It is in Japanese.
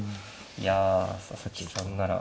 いや佐々木さんなら何か。